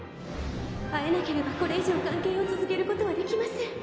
「会えなければこれ以上関係を続けることはできません」